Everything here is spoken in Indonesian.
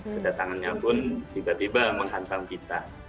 kedatangannya pun tiba tiba menghantam kita